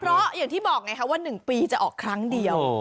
เพราะอย่างที่บอกไงคะว่า๑ปีจะออกครั้งเดียว